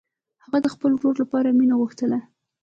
هغې د خپل ورور لپاره مینه غوښتله